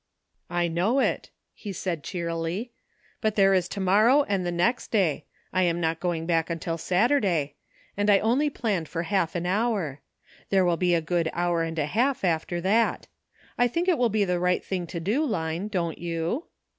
"I know it," he said cheerily; "but there is to morrow and the next day — I am not go ing back until Saturday — and I only planned for half an hour. There will be a good hour and a half after that. I think it will be the right thing to do. Line, don't you?